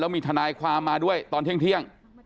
มีทนายความมาด้วยตอนเที่ยง